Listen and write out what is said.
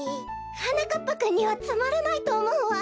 はなかっぱくんにはつまらないとおもうわ。